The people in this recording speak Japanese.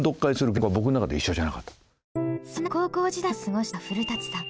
そんな高校時代を過ごした古さん。